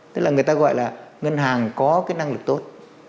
tức là người ta gọi là ngân hàng có cái năng lực tốt